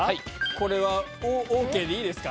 これはＯＫでいいですか。